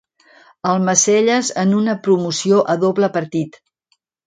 Almacelles en una promoció a doble partit.